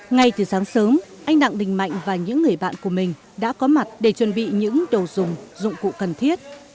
ngay từ sáng sớm anh đặng đình mạnh và những người bạn của mình đã có mặt để chuẩn bị những đồ dùng dụng cụ cần thiết